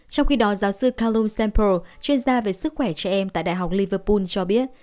trong khi đó giáo sư kalum sampur chuyên gia về sức khỏe trẻ em tại đại học liverpool cho biết